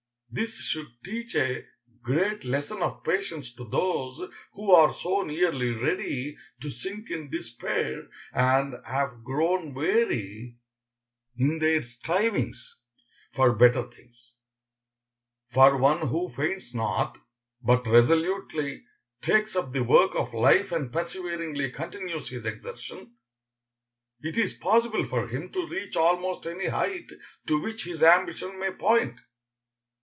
This should teach a great lesson of patience to those who are so nearly ready to sink in despair, and have grown weary in their strivings for better things. For one who faints not, but resolutely takes up the work of life and perseveringly continues his exertion, it is possible for him to reach almost any height to which his ambition may point.